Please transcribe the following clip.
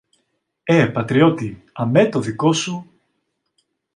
Ε, πατριώτη, αμέ το δικό σου;